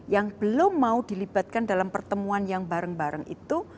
yang belum mau dilibatkan dalam pertemuan yang bareng bareng itu